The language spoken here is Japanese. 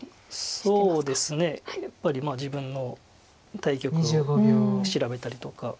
そうですねやっぱり自分の対局を調べたりとか。